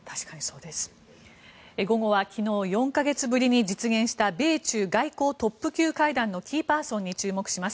午後は昨日４か月ぶりに実現した米中外交トップ級会談のキーパーソンに注目します。